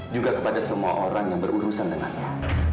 juga kepada semua orang yang berurusan dengannya